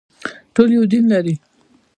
ټول یو دین لري